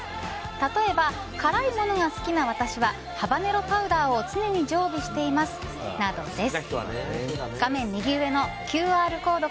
例えば、辛いものが好きな私はハバネロパウダーを常に常備していますなどです。